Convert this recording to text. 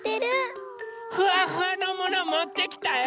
フワフワのものもってきたよ！